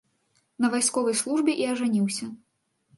На вайсковай службе і ажаніўся.